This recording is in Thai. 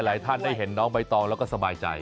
หลายท่านได้เห็นน้องใบตองแล้วก็สบายใจ